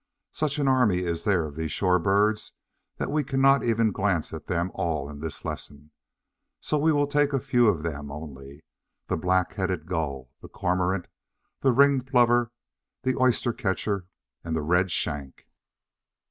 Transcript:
Such an army is there of these shore birds, that we cannot even glance at them all in this lesson. So we will take a few of them only the Black headed Gull, the Cormorant, the Ringed Plover, the Oyster catcher and the Redshank.